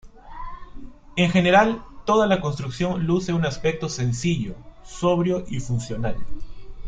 En general toda la construcción luce un aspecto sencillo, sobrio y funcional.